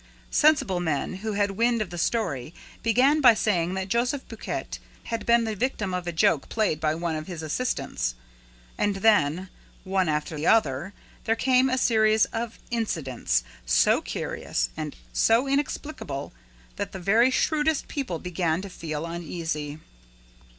Sensible men who had wind of the story began by saying that Joseph Buquet had been the victim of a joke played by one of his assistants. And then, one after the other, there came a series of incidents so curious and so inexplicable that the very shrewdest people began to feel uneasy.